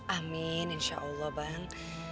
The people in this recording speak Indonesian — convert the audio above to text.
amin insya allah bang